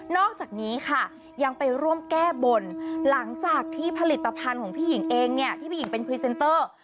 นอกจากนี้ค่ะยังไปร่วมแก้บนหลังจากพี่หญิงพลัทธาภาคที่เป็นพริเซนเตอร์